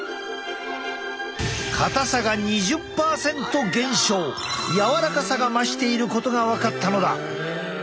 硬さが２０％減少柔らかさが増していることが分かったのだ。